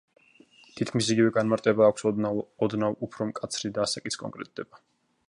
თითქმის იგივე განმარტება აქვს, ოღონდ ოდნავ უფრო მკაცრი და ასაკიც კონკრეტდება.